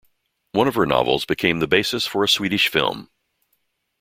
One of her novels became the basis for a Swedish film.